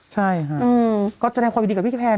ใช่ค่ะก็แสดงความยินดีกับพี่แพน